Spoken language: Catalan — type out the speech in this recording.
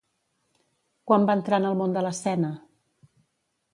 Quan va entrar en el món de l'escena?